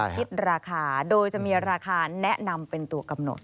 คิดราคาโดยจะมีราคาแนะนำเป็นตัวกำหนด